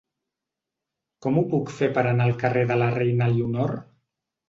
Com ho puc fer per anar al carrer de la Reina Elionor?